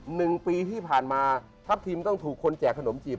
หนึ่งปีที่ผ่านมาทัพทิมต้องถูกคนแจกขนมจีบ